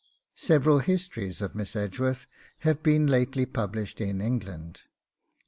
Several histories of Miss Edgeworth have been lately published in England.